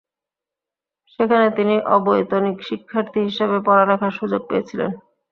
সেখানে তিনি অবৈতনিক শিক্ষার্থী হিসেবে পড়ালেখার সুযোগ পেয়েছিলেন।